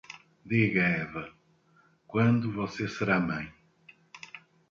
Diga, Eva, quando você será mãe?